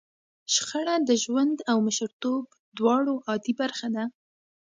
شخړه د ژوند او مشرتوب دواړو عادي برخه ده.